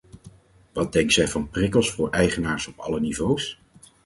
Wat denkt zij van prikkels voor eigenaars op alle niveaus?